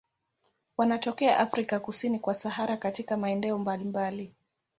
Wanatokea Afrika kusini kwa Sahara katika maeneo mbalimbali.